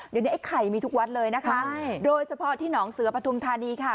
เดี๋ยวนี้ไอ้ไข่มีทุกวัดเลยนะคะโดยเฉพาะที่หนองเสือปฐุมธานีค่ะ